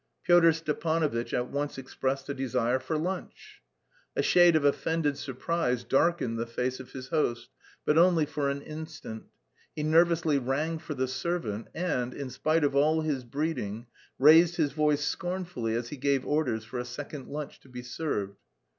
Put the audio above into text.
Pyotr Stepanovitch at once expressed a desire for lunch. A shade of offended surprise darkened the face of his host, but only for an instant; he nervously rang for the servant and, in spite of all his breeding, raised his voice scornfully as he gave orders for a second lunch to be served.